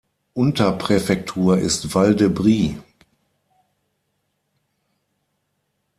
Unterpräfektur ist Val de Briey.